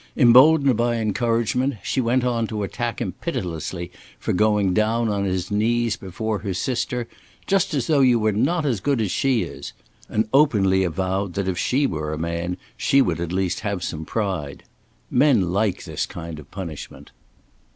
Emboldened by encouragement, she went on to attack him pitilessly for going down on his knees before her sister, "just as though you were not as good as she is," and openly avowed that, if she were a man, she would at least have some pride. Men like this kind of punishment.